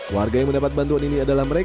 warga yang mendapat bantuan ini adalah mereka